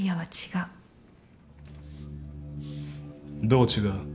どう違う？